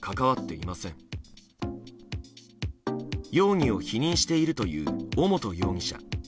容疑を否認しているという尾本容疑者。